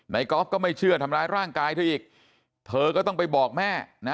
กอล์ฟก็ไม่เชื่อทำร้ายร่างกายเธออีกเธอก็ต้องไปบอกแม่นะ